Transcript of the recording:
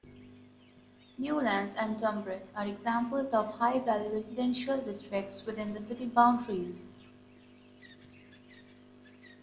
Newlands and Dumbreck are examples of high-value residential districts within the city boundaries.